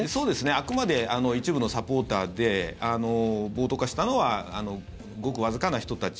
あくまで一部のサポーターで暴徒化したのはごくわずかな人たち。